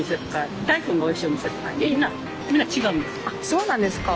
そうなんですか？